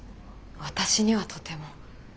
私にはとても。